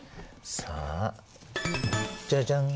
さあじゃじゃん！